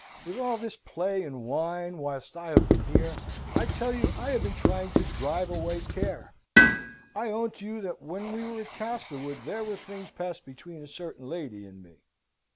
With all this play and wine, whilst I have been here, I tell you I have been trying to drive away care. I own to you that when we were at Castlewood there were things passed between a certain lady and me."